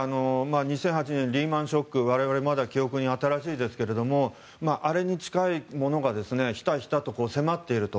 ２００８年リーマン・ショック我々、まだ記憶に新しいですがあれに近いものがひたひたと迫っていると。